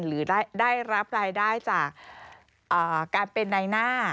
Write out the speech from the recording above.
หรือได้รับรายได้จากการเป็นในหน้า